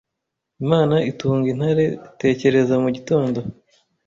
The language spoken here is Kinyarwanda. Imana itunga intare Tekereza mu gitondo